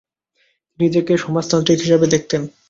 তিনি নিজেকে সমাজতান্ত্রিক হিসেবে দেখতেন।